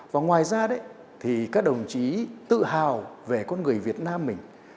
và ngoài ra đấy thì các đồng chí tự hào về con người việt nam mình